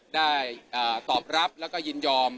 ได้ตอบรับแล้วก็ยินยอม